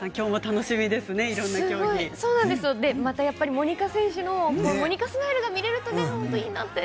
モニカ選手のモニカスマイルが見られるといいなって。